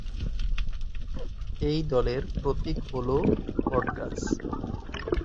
এই দলের প্রতীক হলো বট গাছ।